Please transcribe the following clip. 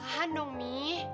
tahan dong mi